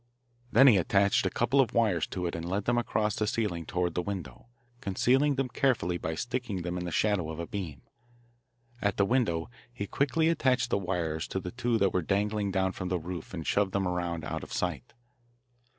Then he attached a couple of wires to it and led them across the ceiling toward the window, concealing them carefully by sticking them in the shadow of a beam. At the window he quickly attached the wires to the two that were dangling down from the roof and shoved them around out of sight.